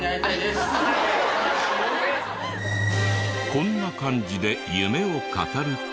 こんな感じで夢を語ると。